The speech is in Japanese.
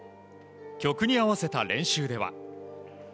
曲に合わせた練習では。